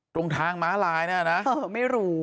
ตรงทางม้าลายเนี่ยนะไม่รู้